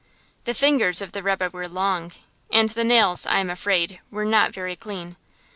The fingers of the rebbe were long, and the nails, I am afraid, were not very clean.